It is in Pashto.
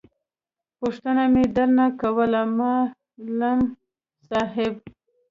پوښتنه مې در نه کوله ما …ل …م ص … ا .. ح… ب.